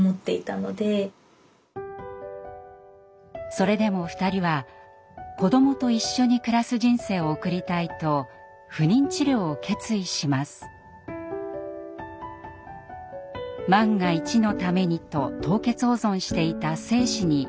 それでも２人は子どもと一緒に暮らす人生を送りたいと万が一のためにと凍結保存していた精子に望みをかけました。